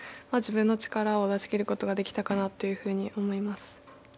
自分の力を出し切ることができたかなというふうに思います。